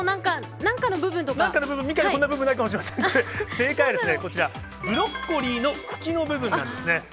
なんかの部分、みかんにこんな部分、ないかもしれません、正解はこちら、ブロッコリーの茎の部分なんですね。